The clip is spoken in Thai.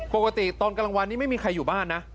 ปกติตอนกลางวันนี้ไม่มีใครอยู่บ้านนะ